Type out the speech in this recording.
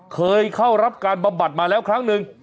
เคยเข้ารับการบำบัดมาแล้วครั้งหนึ่ง